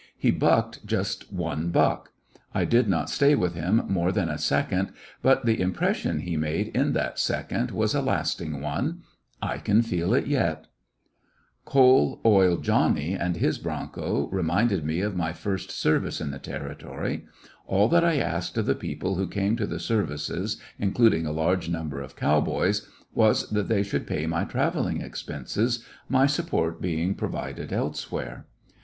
He backed just one buck. I did not stay with him more than a second, but the impression he made in that second was a lasting one. I can feel it yet. Coal oil Johnny and his broncos remind Making iq) ^....,_ m .J. All the amount me of my first service in the Territory. All that I asked of the people who came to the services, including a large number of cow boys, was that they should pay my travelling expenses, my support being provided else where.